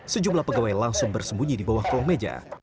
sejumlah pegawai langsung bersembunyi di bawah kolong meja